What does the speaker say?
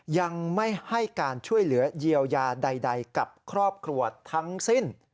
ยังไม่ให้การช่วยเหลือเยียวยาใดกับครอบครัวทั้งสิ้น